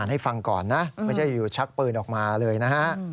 ให้ฟังก่อนนะไม่ใช่อยู่ชักปืนออกมาเลยนะฮะ